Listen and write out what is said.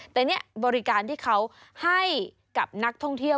แต่นี่บริการที่เขาให้กับนักท่องเที่ยว